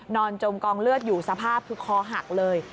จมกองเลือดอยู่สภาพคือคอหักเลย